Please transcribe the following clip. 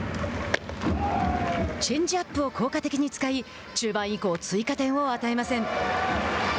チェンジアップを効果的に使い中盤以降、追加点を与えません。